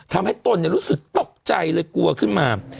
ตนรู้สึกตกใจเลยกลัวขึ้นมา